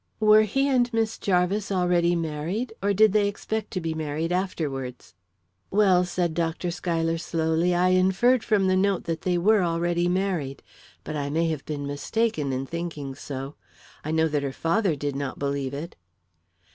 "Were he and Miss Jarvis already married? Or did they expect to be married afterwards?" "Well," said Dr. Schuyler slowly, "I inferred from the note that they were already married. But I may have been mistaken in thinking so. I know that her father did not believe it."